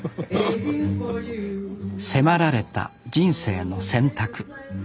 迫られた人生の選択。